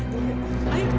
jangan mau ikut pain